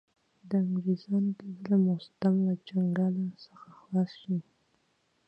د انګرېزانو د ظلم او ستم له چنګاله څخه خلاص شـي.